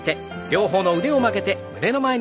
両方の腕を曲げて胸の前。